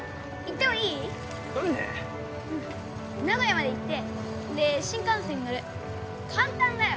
うん名古屋まで行ってで新幹線に乗る簡単だよ